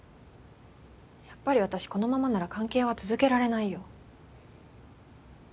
やっぱり私このままなら関係は続けられないよ。